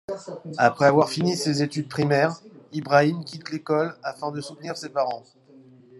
Après avoir fini ses études primaires, Ibrahim quitte l'école afin de soutenir ses parents.